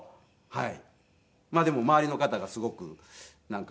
はい。